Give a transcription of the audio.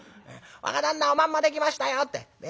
「『若旦那おまんまできましたよ』ってこの声がかかる。